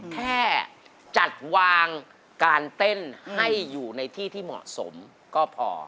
แค่จัดวางการเต้นให้อยู่ในที่ที่เหมาะสมก็พอ